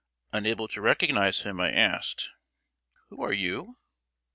Unable to recognize him, I asked: "Who are you?"